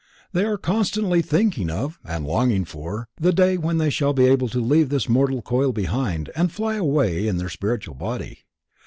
They are constantly thinking of, and longing for, the day when they shall be able to leave this mortal coil behind and fly away in their spiritual body.